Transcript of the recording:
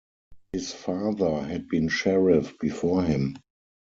His father had been Sheriff before him.